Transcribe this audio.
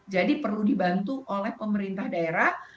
jadi perlu dibantu oleh pemerintah daerah